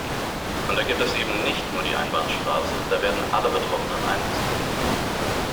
Und da gibt es eben nicht nur die Einbahnstraße, da werden alle Betroffenen einbezogen.